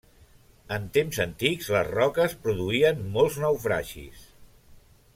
En temps antics les roques produïen molts naufragis.